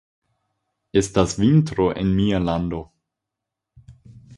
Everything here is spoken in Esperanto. Estas vintro en mia lando.